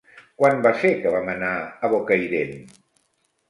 Quan va ser que vam anar a Bocairent?